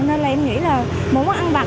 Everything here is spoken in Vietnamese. nên là em nghĩ là muốn ăn vặt